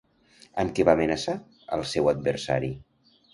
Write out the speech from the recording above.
Amb què va amenaçar al seu adversari?